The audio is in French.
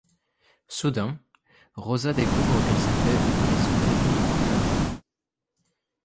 Soudain, Rosa découvre qu’elle s'est fait voler son téléphone portable.